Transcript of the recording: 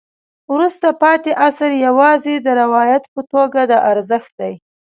وروسته پاتې عصر یوازې د روایت په توګه د ارزښت دی.